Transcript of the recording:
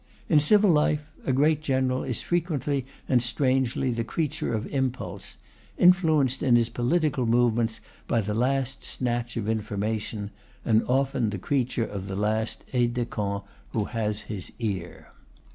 In civil life a great general is frequently and strangely the creature of impulse; influenced in his political movements by the last snatch of information; and often the creature of the last aide de camp who has his ear.